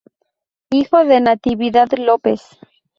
Hijo de Natividad López.